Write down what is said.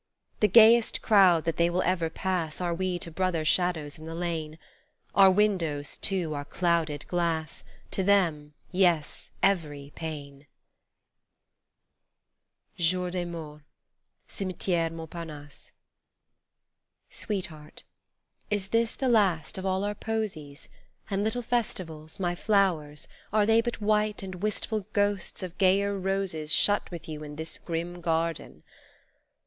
The gayest crowd that they will ever pass Are we to brother shadows in the lane : Our windows, too, are clouded glass To them, yes, every pane ! JOUR DES MORTS (CIMETIERE MONTPARNASSE)) SWEETHEART, is this the last of all our posies And little festivals, my flowers are they But white and wistful ghosts of gayer roses Shut with you in this grim garden